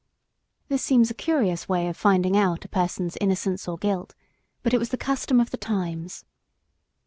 This seems a curious way of finding out a person's innocence or guilt, but it was the custom of the times.